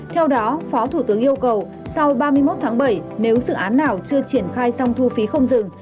theo đó phó thủ tướng yêu cầu sau ba mươi một tháng bảy nếu dự án nào chưa triển khai xong thu phí không dừng